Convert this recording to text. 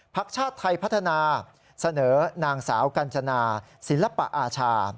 ชาติไทยพัฒนาเสนอนางสาวกัญจนาศิลปะอาชา